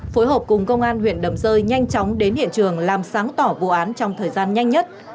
phối hợp cùng công an huyện đầm rơi nhanh chóng đến hiện trường làm sáng tỏ vụ án trong thời gian nhanh nhất